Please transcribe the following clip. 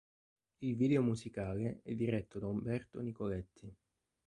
Il video musicale è diretto da Umberto Nicoletti.